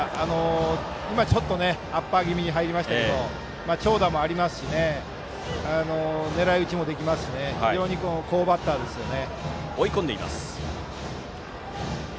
今のはアッパー気味に入りましたが長打もありますし狙い打ちもできますし非常に好バッターですよね。